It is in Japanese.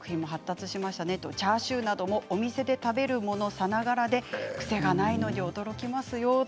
チャーシューなどもお店で食べるものさながらで癖がないので驚きますよ。